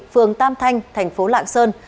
phường tam thanh thành phố lạng sơn